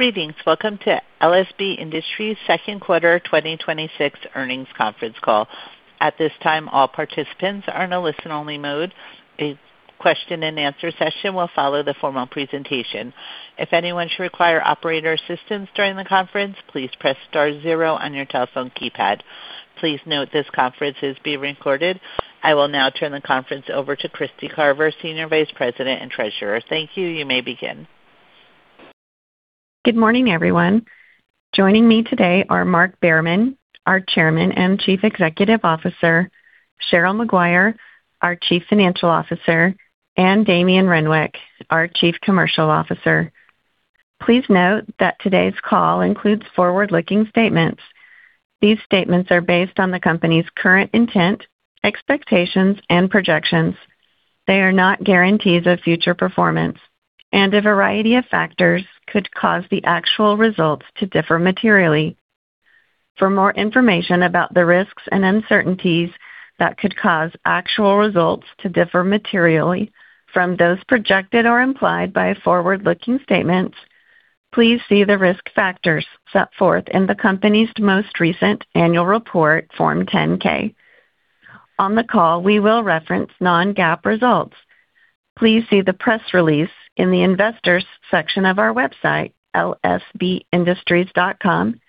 Greetings. Welcome to LSB Industries second quarter 2026 earnings conference call. At this time, all participants are in a listen-only mode. A question and answer session will follow the formal presentation. If anyone should require operator assistance during the conference, please press star zero on your telephone keypad. Please note this conference is being recorded. I will now turn the conference over to Kristy Carver, Senior Vice President and Treasurer. Thank you. You may begin. Good morning, everyone. Joining me today are Mark Behrman, our Chairman and Chief Executive Officer, Cheryl Maguire, our Chief Financial Officer, and Damien Renwick, our Chief Commercial Officer. Please note that today's call includes forward-looking statements. These statements are based on the company's current intent, expectations, and projections. They are not guarantees of future performance, and a variety of factors could cause the actual results to differ materially. For more information about the risks and uncertainties that could cause actual results to differ materially from those projected or implied by forward-looking statements, please see the risk factors set forth in the company's most recent annual report, Form 10-K. On the call, we will reference non-GAAP results. Please see the press release in the investors section of our website, lsbindustries.com,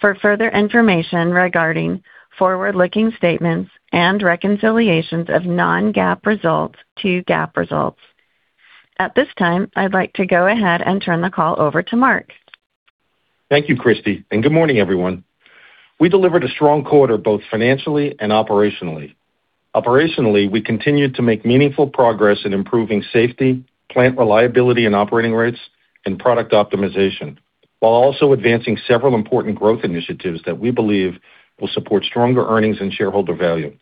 for further information regarding forward-looking statements and reconciliations of non-GAAP results to GAAP results. At this time, I'd like to go ahead and turn the call over to Mark. Thank you, Kristy, and good morning, everyone. We delivered a strong quarter, both financially and operationally. Operationally, we continued to make meaningful progress in improving safety, plant reliability and operating rates, and product optimization, while also advancing several important growth initiatives that we believe will support stronger earnings and shareholder value.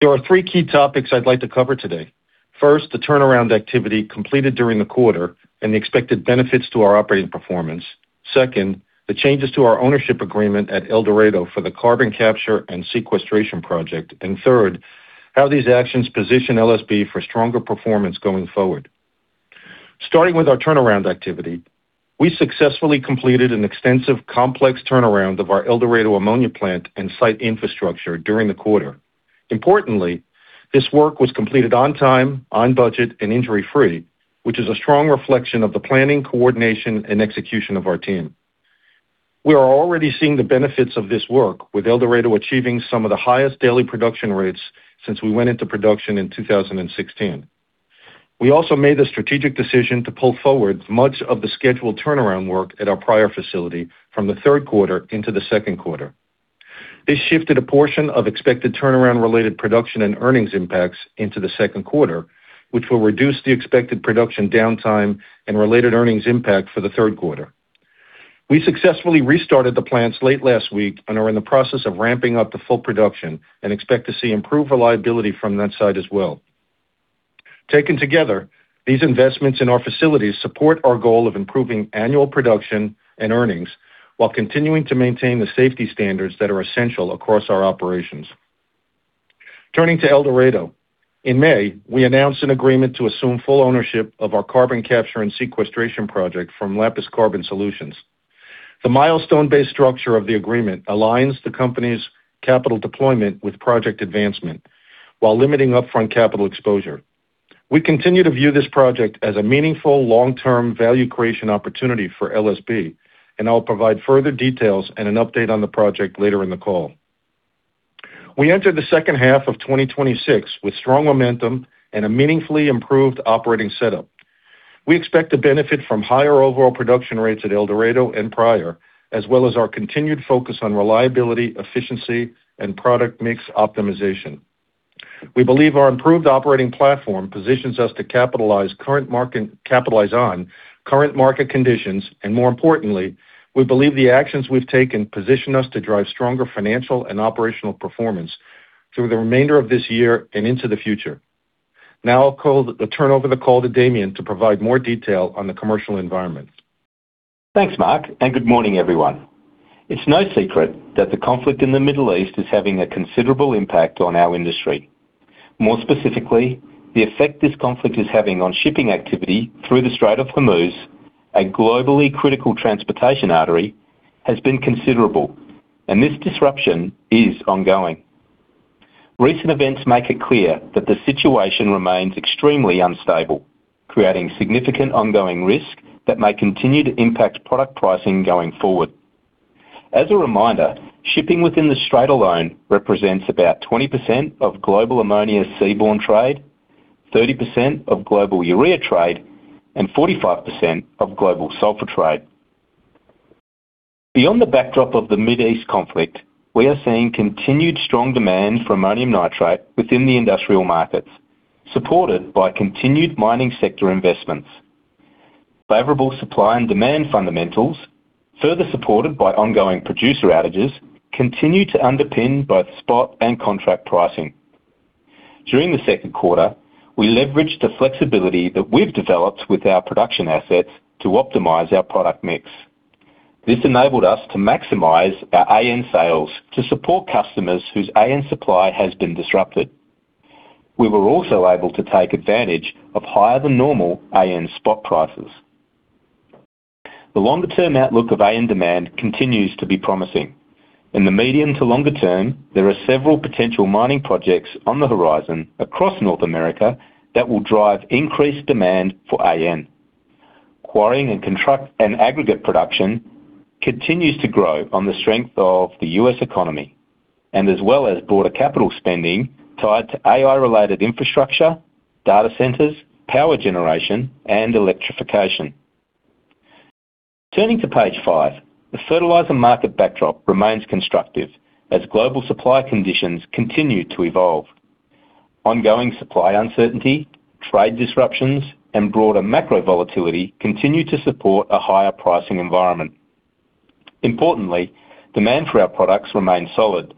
There are three key topics I'd like to cover today. First, the turnaround activity completed during the quarter and the expected benefits to our operating performance. Second, the changes to our ownership agreement at El Dorado for the carbon capture and sequestration project. Third, how these actions position LSB for stronger performance going forward. Starting with our turnaround activity, we successfully completed an extensive, complex turnaround of our El Dorado ammonia plant and site infrastructure during the quarter. Importantly, this work was completed on time, on budget, and injury-free, which is a strong reflection of the planning, coordination, and execution of our team. We are already seeing the benefits of this work with El Dorado achieving some of the highest daily production rates since we went into production in 2016. We also made the strategic decision to pull forward much of the scheduled turnaround work at our Pryor facility from the third quarter into the second quarter. This shifted a portion of expected turnaround-related production and earnings impacts into the second quarter, which will reduce the expected production downtime and related earnings impact for the third quarter. We successfully restarted the plants late last week and are in the process of ramping up to full production and expect to see improved reliability from that site as well. Taken together, these investments in our facilities support our goal of improving annual production and earnings while continuing to maintain the safety standards that are essential across our operations. Turning to El Dorado. In May, we announced an agreement to assume full ownership of our carbon capture and sequestration project from Lapis Carbon Solutions. The milestone-based structure of the agreement aligns the company's capital deployment with project advancement while limiting upfront capital exposure. We continue to view this project as a meaningful long-term value creation opportunity for LSB, and I'll provide further details and an update on the project later in the call. We enter the second half of 2026 with strong momentum and a meaningfully improved operating setup. We expect to benefit from higher overall production rates at El Dorado and Pryor, as well as our continued focus on reliability, efficiency, and product mix optimization. We believe our improved operating platform positions us to capitalize on current market conditions, more importantly, we believe the actions we've taken position us to drive stronger financial and operational performance through the remainder of this year and into the future. Now, I'll turn over the call to Damien to provide more detail on the commercial environment. Thanks, Mark, good morning, everyone. It's no secret that the conflict in the Middle East is having a considerable impact on our industry. More specifically, the effect this conflict is having on shipping activity through the Strait of Hormuz, a globally critical transportation artery, has been considerable, this disruption is ongoing. Recent events make it clear that the situation remains extremely unstable, creating significant ongoing risk that may continue to impact product pricing going forward. As a reminder, shipping within the Strait alone represents about 20% of global ammonia seaborne trade, 30% of global urea trade, and 45% of global sulfur trade. Beyond the backdrop of the Mideast conflict, we are seeing continued strong demand for ammonium nitrate within the industrial markets, supported by continued mining sector investments. Favorable supply and demand fundamentals, further supported by ongoing producer outages, continue to underpin both spot and contract pricing. During the second quarter, we leveraged the flexibility that we've developed with our production assets to optimize our product mix. This enabled us to maximize our AN sales to support customers whose AN supply has been disrupted. We were also able to take advantage of higher than normal AN spot prices. The longer-term outlook of AN demand continues to be promising. In the medium to longer- term, there are several potential mining projects on the horizon across North America that will drive increased demand for AN. Quarrying and aggregate production continues to grow on the strength of the U.S. economy, and as well as broader capital spending tied to AI-related infrastructure, data centers, power generation, and electrification. Turning to page five, the fertilizer market backdrop remains constructive as global supply conditions continue to evolve. Ongoing supply uncertainty, trade disruptions, and broader macro volatility continue to support a higher pricing environment. Importantly, demand for our products remains solid,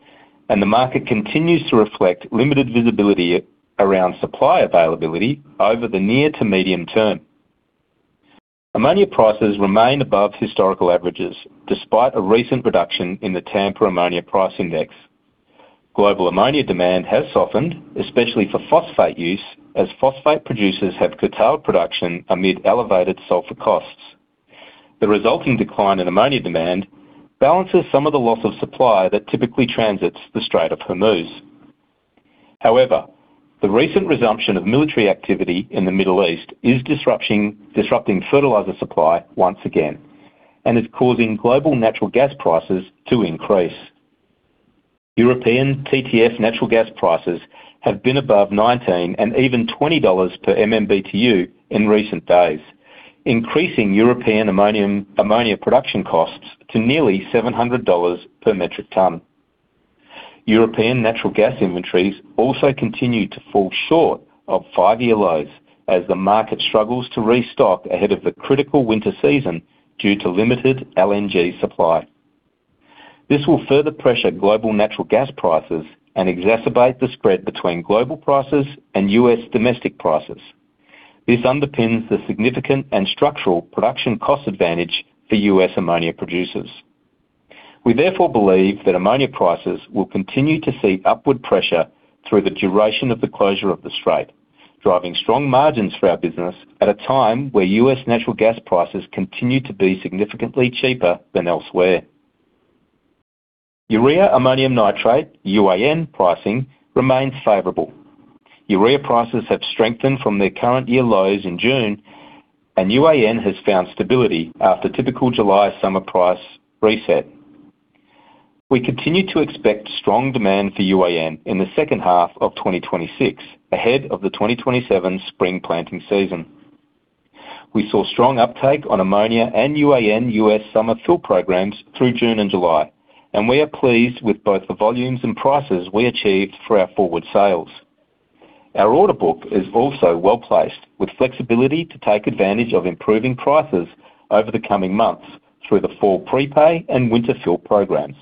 and the market continues to reflect limited visibility around supply availability over the near to medium- term. Ammonia prices remain above historical averages, despite a recent reduction in the Tampa ammonia price. Global ammonia demand has softened, especially for phosphate use, as phosphate producers have curtailed production amid elevated sulfur costs. The resulting decline in ammonia demand balances some of the loss of supply that typically transits the Strait of Hormuz. However, the recent resumption of military activity in the Middle East is disrupting fertilizer supply once again and is causing global natural gas prices to increase. European TTF natural gas prices have been above 19 and even $20 per MMBtu in recent days, increasing European ammonia production costs to nearly $700 per metric ton. European natural gas inventories also continue to fall short of five-year lows as the market struggles to restock ahead of the critical winter season due to limited LNG supply. This will further pressure global natural gas prices and exacerbate the spread between global prices and U.S. domestic prices. This underpins the significant and structural production cost advantage for U.S. ammonia producers. We therefore believe that ammonia prices will continue to see upward pressure through the duration of the closure of the Strait, driving strong margins for our business at a time where U.S. natural gas prices continue to be significantly cheaper than elsewhere. Urea ammonium nitrate, UAN pricing remains favorable. Urea prices have strengthened from their current year lows in June, and UAN has found stability after typical July summer price reset. We continue to expect strong demand for UAN in the second half of 2026, ahead of the 2027 spring planting season. We saw strong uptake on ammonia and UAN U.S. summer fill programs through June and July, and we are pleased with both the volumes and prices we achieved for our forward sales. Our order book is also well-placed, with flexibility to take advantage of improving prices over the coming months through the fall prepay and winter fill programs.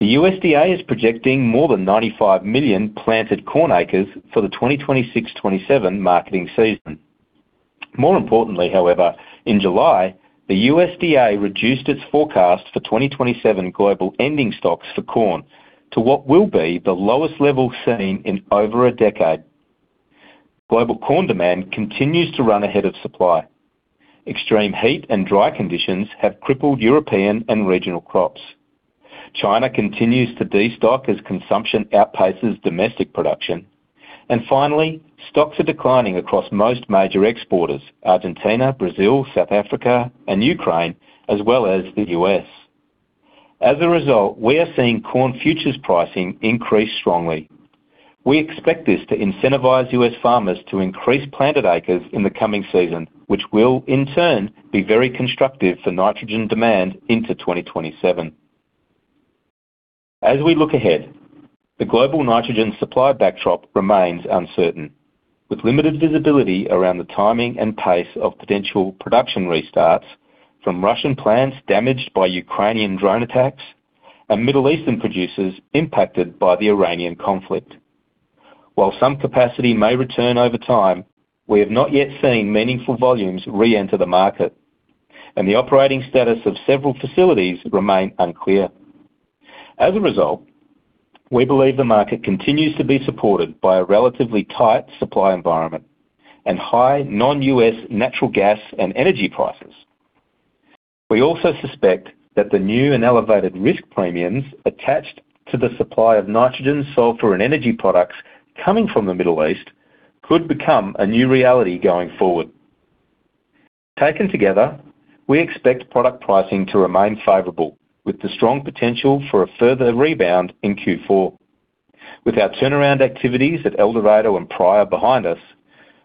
The USDA is projecting more than 95 million planted corn acres for the 2026-27 marketing season. More importantly, however, in July, the USDA reduced its forecast for 2027 global ending stocks for corn to what will be the lowest level seen in over a decade. Global corn demand continues to run ahead of supply. Extreme heat and dry conditions have crippled European and regional crops. China continues to destock as consumption outpaces domestic production. Finally, stocks are declining across most major exporters, Argentina, Brazil, South Africa, and Ukraine, as well as the U.S. As a result, we are seeing corn futures pricing increase strongly. We expect this to incentivize U.S. farmers to increase planted acres in the coming season, which will in turn be very constructive for nitrogen demand into 2027. As we look ahead, the global nitrogen supply backdrop remains uncertain, with limited visibility around the timing and pace of potential production restarts from Russian plants damaged by Ukrainian drone attacks and Middle Eastern producers impacted by the Iranian conflict. While some capacity may return over time, we have not yet seen meaningful volumes re-enter the market, and the operating status of several facilities remain unclear. As a result, we believe the market continues to be supported by a relatively tight supply environment and high non-U.S. natural gas and energy prices. We also suspect that the new and elevated risk premiums attached to the supply of nitrogen, sulfur, and energy products coming from the Middle East could become a new reality going forward. Taken together, we expect product pricing to remain favorable, with the strong potential for a further rebound in Q4. With our turnaround activities at El Dorado and Pryor behind us,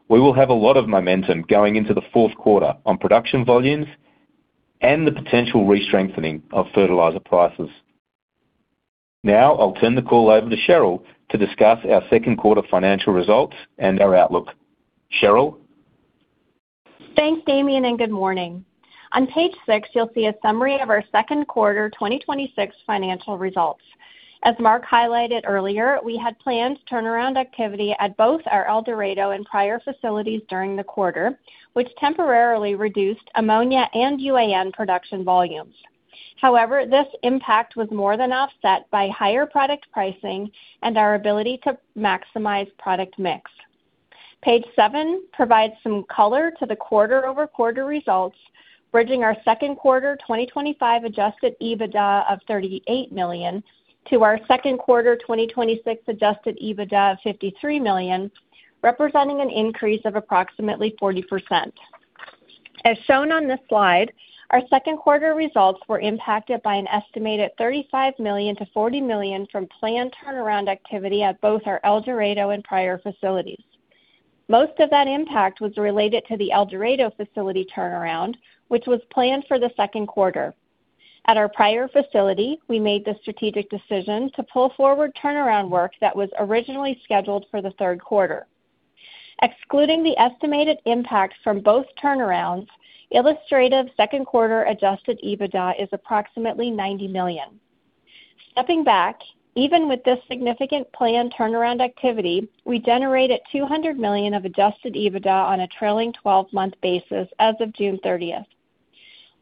we will have a lot of momentum going into the fourth quarter on production volumes and the potential re-strengthening of fertilizer prices. Now I'll turn the call over to Cheryl to discuss our second quarter financial results and our outlook. Cheryl? Thanks, Damien, and good morning. On page six, you'll see a summary of our second quarter 2026 financial results. As Mark highlighted earlier, we had planned turnaround activity at both our El Dorado and Pryor facilities during the quarter, which temporarily reduced ammonia and UAN production volumes. However, this impact was more than offset by higher product pricing and our ability to maximize product mix. Page seven provides some color to the quarter-over-quarter results, bridging our second quarter 2025 adjusted EBITDA of $38 million to our second quarter 2026 adjusted EBITDA of $53 million, representing an increase of approximately 40%. As shown on this slide, our second quarter results were impacted by an estimated $35 million to $40 million from planned turnaround activity at both our El Dorado and Pryor facilities. Most of that impact was related to the El Dorado facility turnaround, which was planned for the second quarter. At our Pryor facility, we made the strategic decision to pull forward turnaround work that was originally scheduled for the third quarter. Excluding the estimated impacts from both turnarounds, illustrative second quarter adjusted EBITDA is approximately $90 million. Stepping back, even with this significant planned turnaround activity, we generated $200 million of adjusted EBITDA on a trailing 12-month basis as of June 30th.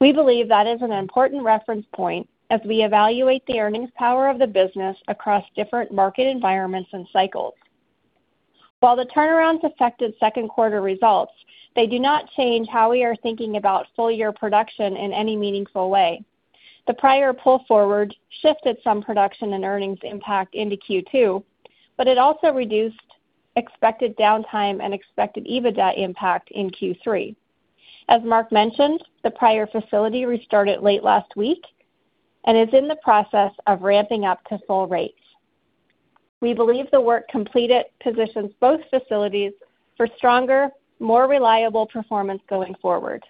We believe that is an important reference point as we evaluate the earnings power of the business across different market environments and cycles. While the turnarounds affected second quarter results, they do not change how we are thinking about full- year production in any meaningful way. The Pryor pull forward shifted some production and earnings impact into Q2, but it also reduced expected downtime and expected EBITDA impact in Q3. As Mark mentioned, the Pryor facility restarted late last week and is in the process of ramping up to full rates. We believe the work completed positions both facilities for stronger, more reliable performance going forward.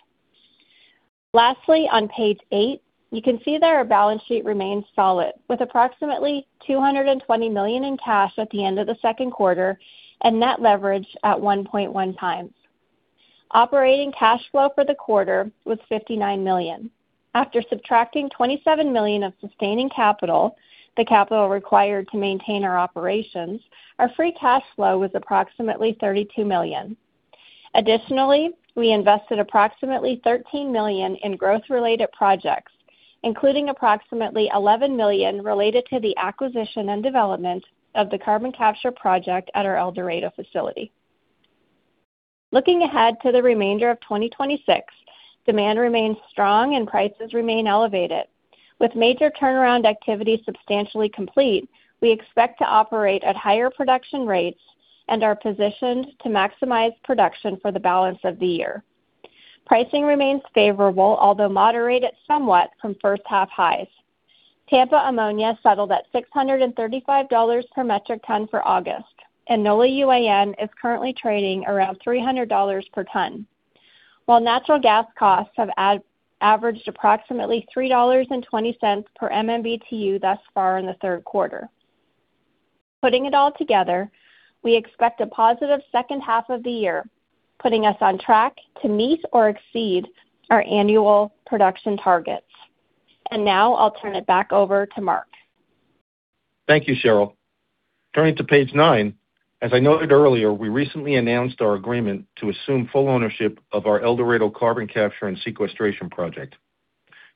Lastly, on page eight, you can see that our balance sheet remains solid with approximately $220 million in cash at the end of the second quarter and net leverage at 1.1 times. Operating cash flow for the quarter was $59 million. After subtracting $27 million of sustaining capital, the capital required to maintain our operations, our free cash flow was approximately $32 million. Additionally, we invested approximately $13 million in growth-related projects, including approximately $11 million related to the acquisition and development of the carbon capture project at our El Dorado facility. Looking ahead to the remainder of 2026, demand remains strong and prices remain elevated. With major turnaround activity substantially complete, we expect to operate at higher production rates and are positioned to maximize production for the balance of the year. Pricing remains favorable, although moderated somewhat from first half highs. Tampa ammonia settled at $635 per metric ton for August, and NOLA UAN is currently trading around $300 per ton, while natural gas costs have averaged approximately $3.20 per MMBtu thus far in the third quarter. Putting it all together, we expect a positive second half of the year, putting us on track to meet or exceed our annual production targets. Now I'll turn it back over to Mark. Thank you, Cheryl. Turning to page nine. As I noted earlier, we recently announced our agreement to assume full ownership of our El Dorado carbon capture and sequestration project.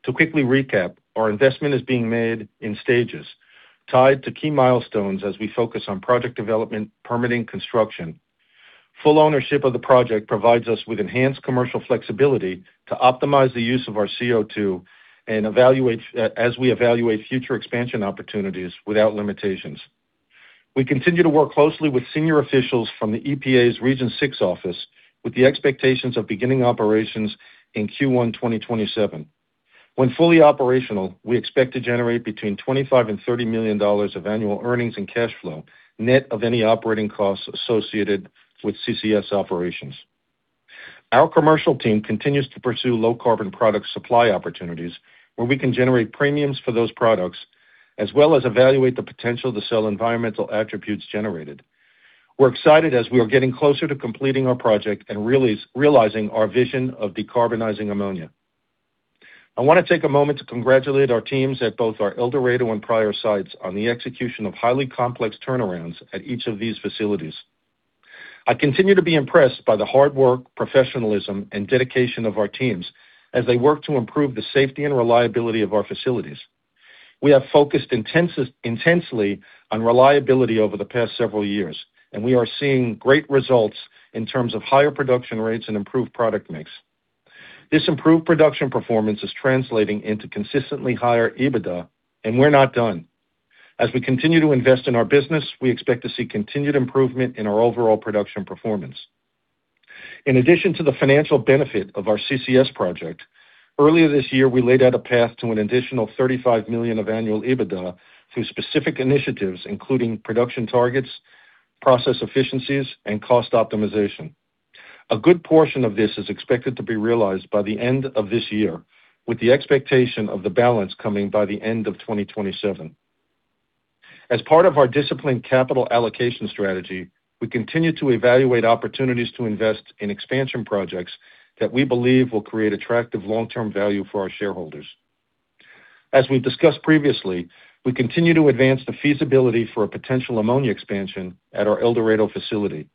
To quickly recap, our investment is being made in stages tied to key milestones as we focus on project development, permitting, construction. Full ownership of the project provides us with enhanced commercial flexibility to optimize the use of our CO2 as we evaluate future expansion opportunities without limitations. We continue to work closely with senior officials from the EPA's Region 6 office with the expectations of beginning operations in Q1 2027. When fully operational, we expect to generate between $25 million and $30 million of annual earnings and cash flow, net of any operating costs associated with CCS operations. Our commercial team continues to pursue low carbon product supply opportunities where we can generate premiums for those products, as well as evaluate the potential to sell environmental attributes generated. We're excited as we are getting closer to completing our project and realizing our vision of decarbonizing ammonia. I want to take a moment to congratulate our teams at both our El Dorado and Pryor sites on the execution of highly complex turnarounds at each of these facilities. I continue to be impressed by the hard work, professionalism, and dedication of our teams as they work to improve the safety and reliability of our facilities. We have focused intensely on reliability over the past several years, and we are seeing great results in terms of higher production rates and improved product mix. This improved production performance is translating into consistently higher EBITDA. We're not done. As we continue to invest in our business, we expect to see continued improvement in our overall production performance. In addition to the financial benefit of our CCS project, earlier this year, we laid out a path to an additional $35 million of annual EBITDA through specific initiatives, including production targets, process efficiencies, and cost optimization. A good portion of this is expected to be realized by the end of this year, with the expectation of the balance coming by the end of 2027. As part of our disciplined capital allocation strategy, we continue to evaluate opportunities to invest in expansion projects that we believe will create attractive long-term value for our shareholders. As we've discussed previously, we continue to advance the feasibility for a potential ammonia expansion at our El Dorado facility.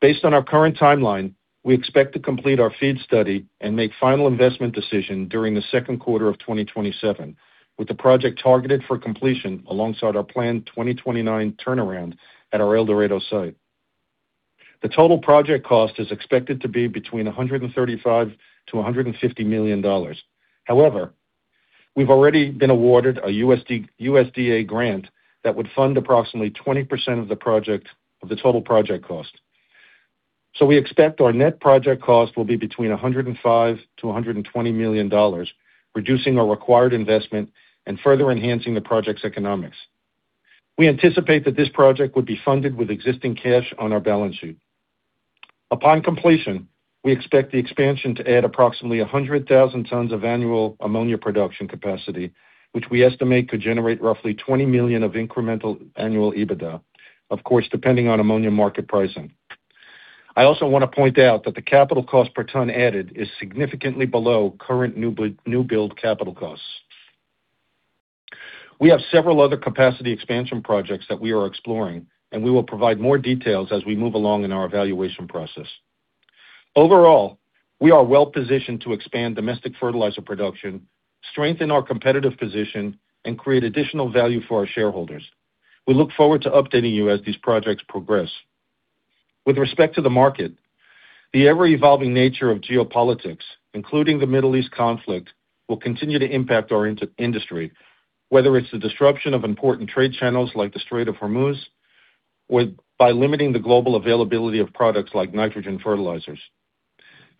Based on our current timeline, we expect to complete our FEED study and make final investment decision during the second quarter of 2027, with the project targeted for completion alongside our planned 2029 turnaround at our El Dorado site. The total project cost is expected to be between $135 million-$150 million. However, we've already been awarded a USDA grant that would fund approximately 20% of the total project cost. We expect our net project cost will be between $105 million-$120 million, reducing our required investment and further enhancing the project's economics. We anticipate that this project would be funded with existing cash on our balance sheet. Upon completion, we expect the expansion to add approximately 100,000 tons of annual ammonia production capacity, which we estimate could generate roughly $20 million of incremental annual EBITDA, of course, depending on ammonia market pricing. I also want to point out that the capital cost per ton added is significantly below current new build capital costs. We have several other capacity expansion projects that we are exploring, and we will provide more details as we move along in our evaluation process. Overall, we are well-positioned to expand domestic fertilizer production, strengthen our competitive position, and create additional value for our shareholders. We look forward to updating you as these projects progress. With respect to the market, the ever-evolving nature of geopolitics, including the Middle East conflict, will continue to impact our industry, whether it's the disruption of important trade channels like the Strait of Hormuz, by limiting the global availability of products like nitrogen fertilizers.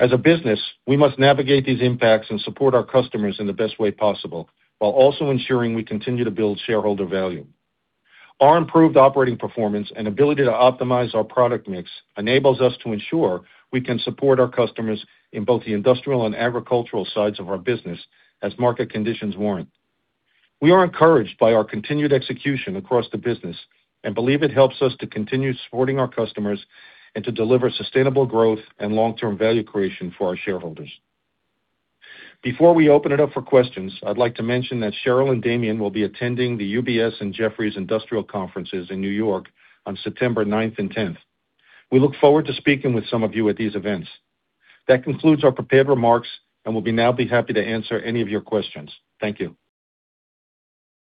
As a business, we must navigate these impacts and support our customers in the best way possible, while also ensuring we continue to build shareholder value. Our improved operating performance and ability to optimize our product mix enables us to ensure we can support our customers in both the industrial and agricultural sides of our business as market conditions warrant. We are encouraged by our continued execution across the business and believe it helps us to continue supporting our customers and to deliver sustainable growth and long-term value creation for our shareholders. Before we open it up for questions, I'd like to mention that Cheryl and Damien will be attending the UBS and Jefferies Industrial Conferences in New York on September ninth and tenth. We look forward to speaking with some of you at these events. That concludes our prepared remarks, and we'll now be happy to answer any of your questions. Thank you.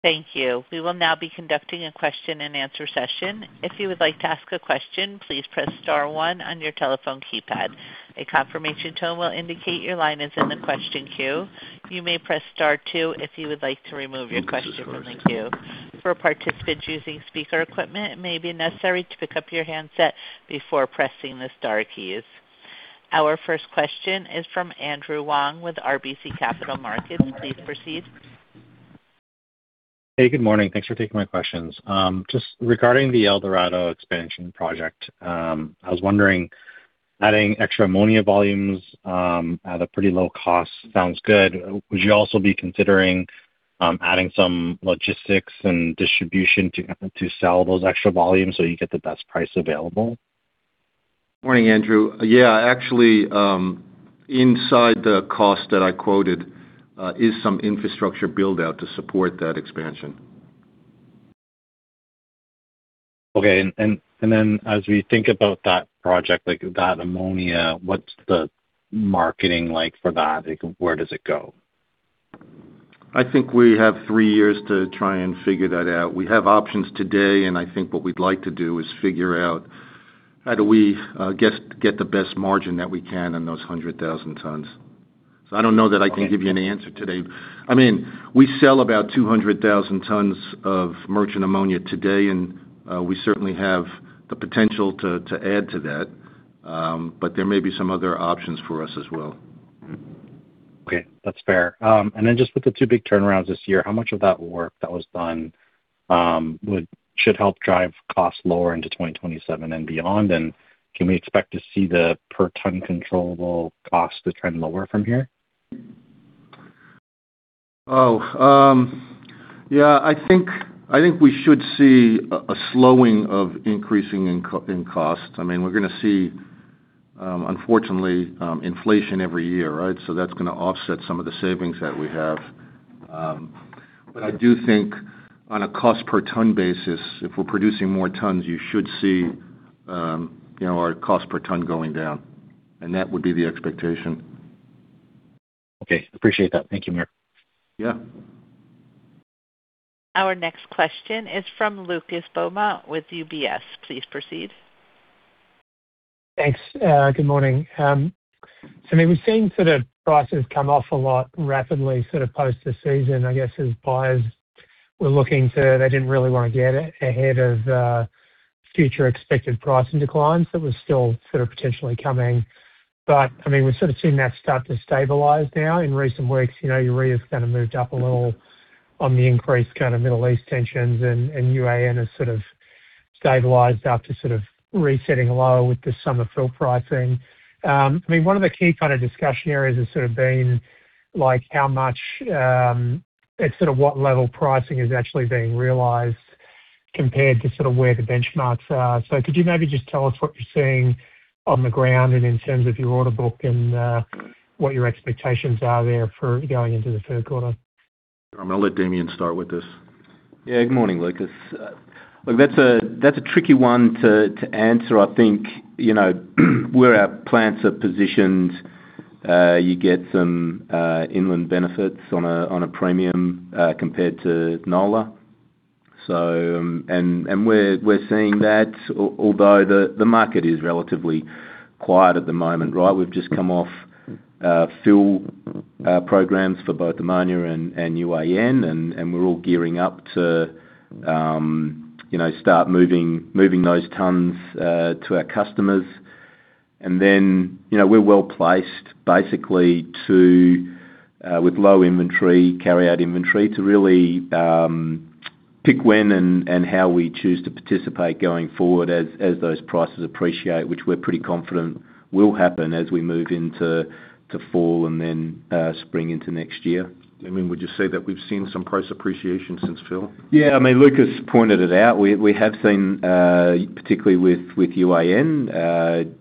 Thank you. We will now be conducting a question and answer session. If you would like to ask a question, please press star one on your telephone keypad. A confirmation tone will indicate your line is in the question queue. You may press star two if you would like to remove your question from the queue. For participants using speaker equipment, it may be necessary to pick up your handset before pressing the star keys. Our first question is from Andrew Wong with RBC Capital Markets. Please proceed. Hey, good morning. Thanks for taking my questions. Just regarding the El Dorado expansion project. I was wondering, adding extra ammonia volumes at a pretty low cost sounds good. Would you also be considering adding some logistics and distribution to sell those extra volumes so you get the best price available? Morning, Andrew. Yeah, actually, inside the cost that I quoted is some infrastructure build-out to support that expansion. As we think about that project, like that ammonia, what's the marketing like for that? Where does it go? I think we have three years to try and figure that out. We have options today, and I think what we'd like to do is figure out how do we get the best margin that we can on those 100,000 tons. I don't know that I can give you an answer today. We sell about 200,000 tons of merchant ammonia today. We certainly have the potential to add to that. There may be some other options for us as well. Okay. That's fair. Just with the two big turnarounds this year, how much of that work that was done should help drive costs lower into 2027 and beyond? Can we expect to see the per ton controllable cost to trend lower from here? Yeah, I think we should see a slowing of increasing in cost. We're going to see, unfortunately, inflation every year, right? That's going to offset some of the savings that we have. I do think on a cost per ton basis, if we're producing more tons, you should see our cost per ton going down, and that would be the expectation. Okay. Appreciate that. Thank you, Mark. Yeah. Our next question is from Lucas Beaumont with UBS. Please proceed. Thanks. Good morning. We've seen sort of prices come off a lot rapidly, sort of post this season, I guess, as buyers didn't really want to get ahead of future expected pricing declines that were still sort of potentially coming. We're sort of seeing that start to stabilize now in recent weeks. Urea has kind of moved up a little on the increased kind of Middle East tensions, and UAN has sort of stabilized after sort of resetting low with the summer fill pricing. One of the key kind of discussion areas has sort of been like how much, at sort of what level pricing is actually being realized compared to sort of where the benchmarks are. Could you maybe just tell us what you're seeing on the ground and in terms of your order book and what your expectations are there for going into the third quarter? I'm going to let Damien start with this. Good morning, Lucas. Look, that's a tricky one to answer. I think, where our plants are positioned, you get some inland benefits on a premium compared to Nola. We're seeing that although the market is relatively quiet at the moment, right? We've just come off fill programs for both ammonia and UAN, and we're all gearing up to start moving those tons to our customers. We're well-placed basically to, with low inventory, carry out inventory, to really pick when and how we choose to participate going forward as those prices appreciate, which we're pretty confident will happen as we move into fall and then spring into next year. I mean, would you say that we've seen some price appreciation since fill? Yeah. I mean, Lucas pointed it out. We have seen, particularly with UAN,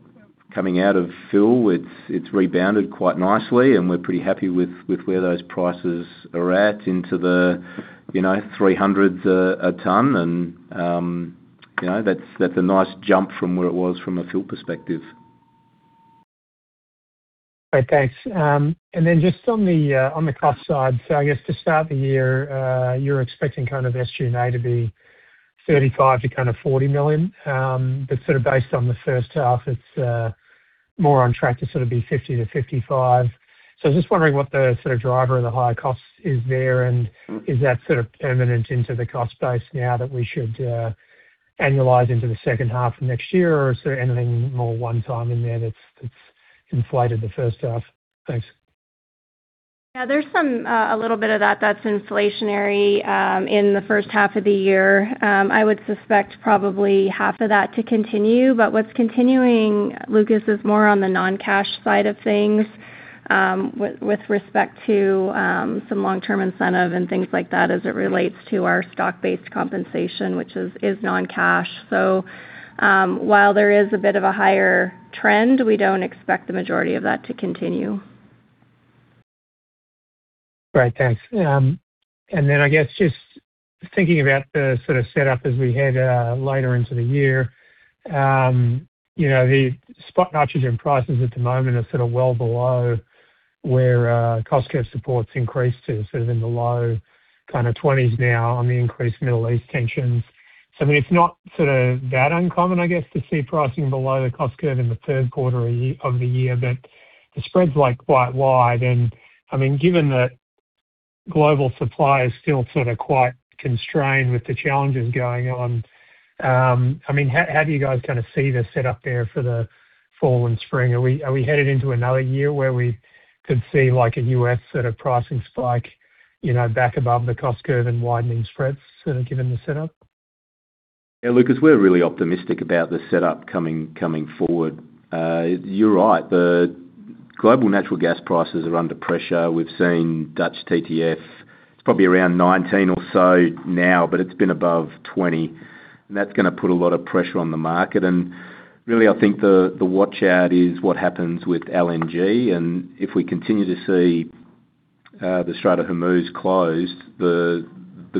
coming out of fill, it's rebounded quite nicely, and we're pretty happy with where those prices are at into the $300 a ton, and that's a nice jump from where it was from a fill perspective. Great, thanks. Just on the cost side, I guess to start the year, you're expecting kind of SG&A to be $35 million-$40 million. Sort of based on the first half, it's more on track to sort of be $50 million-$55 million. I'm just wondering what the sort of driver of the higher cost is there, and is that sort of permanent into the cost base now that we should annualize into the second half of next year, or is there anything more one time in there that's inflated the first half? Thanks. Yeah, there's a little bit of that's inflationary in the first half of the year. I would suspect probably half of that to continue, but what's continuing, Lucas, is more on the non-cash side of things with respect to some long-term incentive and things like that as it relates to our stock-based compensation, which is non-cash. While there is a bit of a higher trend, we don't expect the majority of that to continue. Great, thanks. I guess just thinking about the sort of setup as we head later into the year. The spot nitrogen prices at the moment are sort of well below where cost curve supports increased to sort of in the low kind of 20s now on the increased Middle East tensions. I mean, it's not sort of that uncommon, I guess, to see pricing below the cost curve in the third quarter of the year, but the spread's like quite wide. I mean, given that global supply is still sort of quite constrained with the challenges going on, how do you guys kind of see the setup there for the fall and spring? Are we headed into another year where we could see like a U.S. sort of pricing spike back above the cost curve and widening spreads sort of given the setup? Yeah, Lucas, we're really optimistic about the setup coming forward. You're right, the global natural gas prices are under pressure. We've seen Dutch TTF, it's probably around 19 or so now, but it's been above 20, and that's gonna put a lot of pressure on the market. Really, I think the watch-out is what happens with LNG, and if we continue to see the Strait of Hormuz closed, the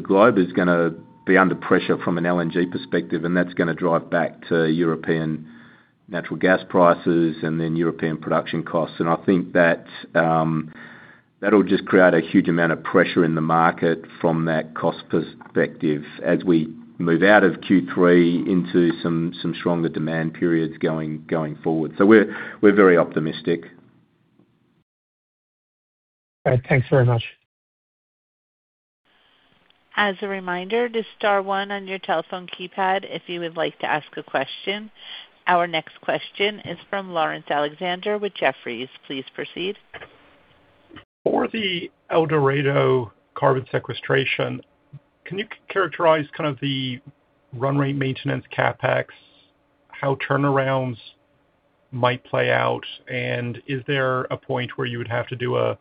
globe is gonna be under pressure from an LNG perspective, and that's gonna drive back to European natural gas prices and then European production costs. I think that'll just create a huge amount of pressure in the market from that cost perspective as we move out of Q3 into some stronger demand periods going forward. We're very optimistic. Great. Thanks very much. As a reminder, just star one on your telephone keypad if you would like to ask a question. Our next question is from Laurence Alexander with Jefferies. Please proceed. For the El Dorado carbon sequestration, can you characterize kind of the run rate maintenance CapEx, how turnarounds might play out, and is there a point where you would have to do a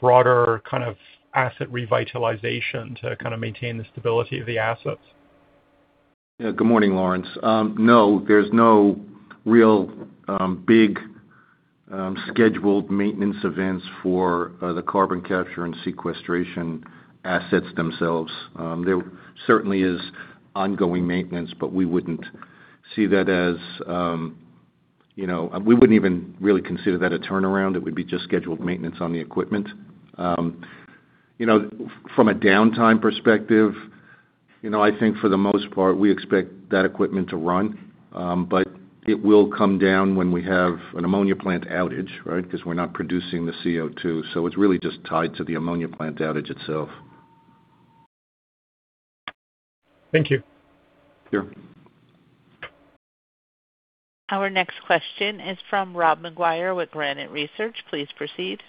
broader kind of asset revitalization to kind of maintain the stability of the assets? Yeah. Good morning, Laurence. There's no real big scheduled maintenance events for the carbon capture and sequestration assets themselves. There certainly is ongoing maintenance, but we wouldn't even really consider that a turnaround. It would be just scheduled maintenance on the equipment. From a downtime perspective, I think for the most part, we expect that equipment to run. It will come down when we have an ammonia plant outage, right? We're not producing the CO2, so it's really just tied to the ammonia plant outage itself. Thank you. Sure. Our next question is from Rob McGuire with Granite Research. Please proceed.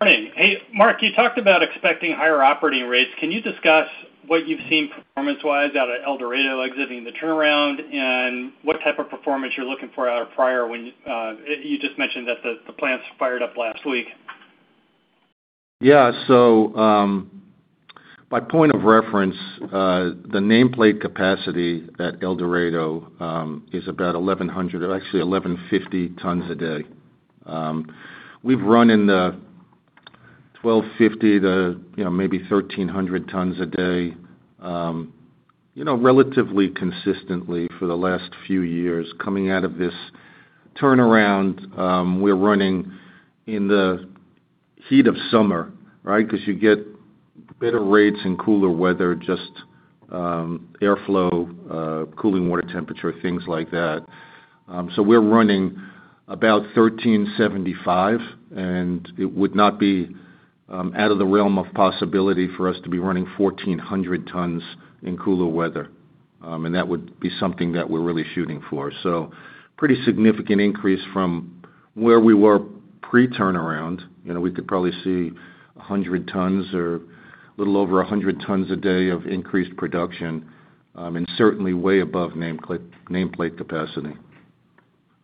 Morning. Hey, Mark, you talked about expecting higher operating rates. Can you discuss what you've seen performance-wise out of El Dorado exhibiting the turnaround, and what type of performance you're looking for out of Pryor? You just mentioned that the plants fired up last week. Yeah. By point of reference, the nameplate capacity at El Dorado is about 1,100 or actually 1,150 tons a day. We've run in the 1,250 to maybe 1,300 tons a day relatively consistently for the last few years, coming out of this turnaround, we're running in the heat of summer, right? Because you get better rates in cooler weather, just airflow, cooling water temperature, things like that. We're running about 1375, and it would not be out of the realm of possibility for us to be running 1,400 tons in cooler weather. That would be something that we're really shooting for. Pretty significant increase from where we were pre-turnaround. We could probably see 100 tons or a little over 100 tons a day of increased production, and certainly way above nameplate capacity.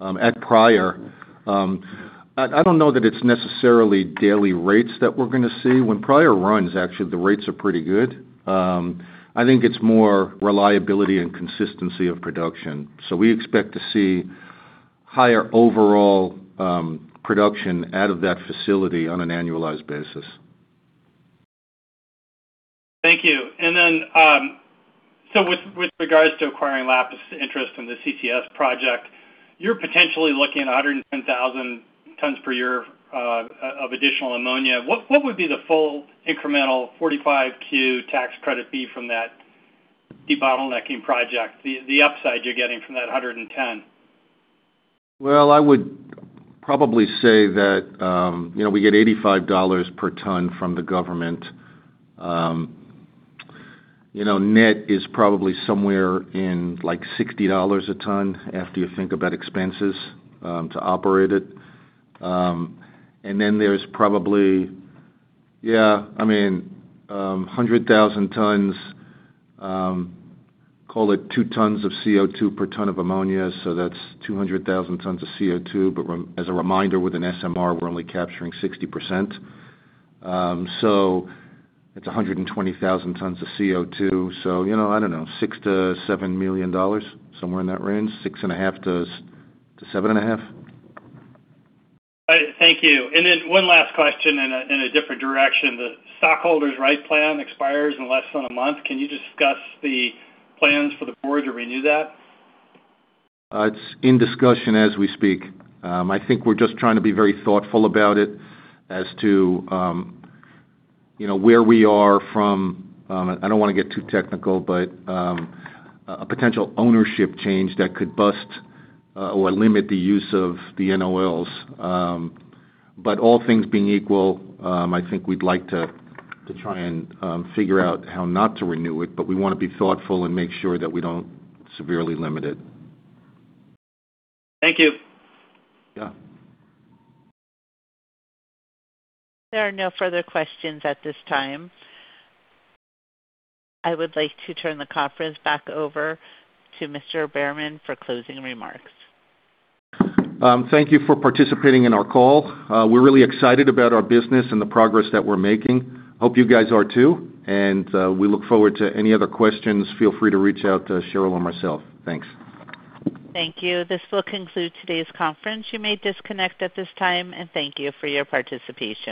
At Pryor, I don't know that it's necessarily daily rates that we're going to see. When Pryor runs, actually, the rates are pretty good. I think it's more reliability and consistency of production. We expect to see higher overall production out of that facility on an annualized basis. Thank you. With regards to acquiring Lapis interest in the CCS project, you're potentially looking at 110,000 tons per year of additional ammonia. What would be the full incremental 45Q tax credit fee from that debottlenecking project, the upside you're getting from that 110? Well, I would probably say that we get $85 per ton from the government. Net is probably somewhere in like $60 a ton after you think about expenses to operate it. There's probably, yeah, 100,000 tons, call it two tons of CO2 per ton of ammonia, so that's 200,000 tons of CO2. As a reminder, with an SMR, we're only capturing 60%. It's 120,000 tons of CO2. I don't know, $6 million to $7 million, somewhere in that range, six and a half to seven and a half. All right, thank you. One last question in a different direction. The stockholders' right plan expires in less than a month. Can you discuss the plans for the board to renew that? It's in discussion as we speak. I think we're just trying to be very thoughtful about it as to where we are from, I don't want to get too technical, but a potential ownership change that could bust or limit the use of the NOLs. All things being equal, I think we'd like to try and figure out how not to renew it, but we want to be thoughtful and make sure that we don't severely limit it. Thank you. Yeah. There are no further questions at this time. I would like to turn the conference back over to Mr. Behrman for closing remarks. Thank you for participating in our call. We're really excited about our business and the progress that we're making. Hope you guys are too, and we look forward to any other questions. Feel free to reach out to Cheryl or myself. Thanks. Thank you. This will conclude today's conference. You may disconnect at this time, and thank you for your participation.